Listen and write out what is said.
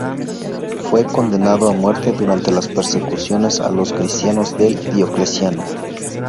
Fue condenado a muerte durante las persecuciones a los cristianos del Diocleciano.